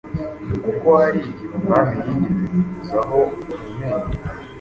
kuko hari igihe umwami yigeze kuza aho ku Ntenyo,